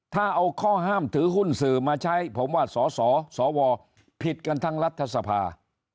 ถ้าเอาข้อห้ามถือหุ้นสื่อมาใช้ผมว่าสสวผิดกันทั้งรัฐสภา